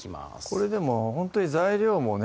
これでもほんとに材料もね